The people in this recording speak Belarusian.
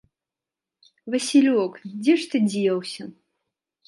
Васілёк, дзе ж ты дзеўся?